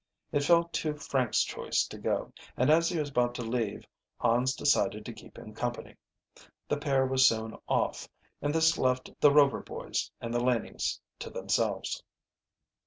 It fell to Frank's choice to go, and as he was about to leave Hans decided to keep him company. The pair was soon off, and this left the Rover boys and the Lanings to themselves.